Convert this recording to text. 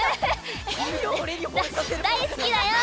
大好きだよ！